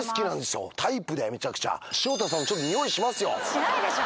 しないでしょ！